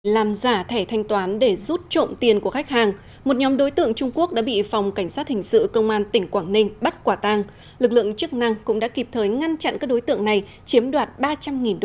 làm giả thẻ thanh toán để rút trộm tiền của khách hàng một nhóm đối tượng trung quốc đã bị phòng cảnh sát hình sự công an tỉnh quảng ninh bắt quả tàng lực lượng chức năng cũng đã kịp thời ngăn chặn các đối tượng này chiếm đoạt ba trăm linh usd